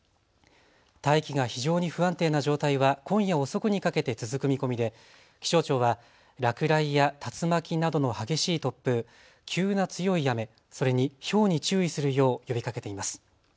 大気が非常に不安定な状態は今夜遅くにかけて続く見込みで気象庁は落雷や竜巻などの激しい突風、急な強い雨、それにひょうに注意するよう呼びかけています。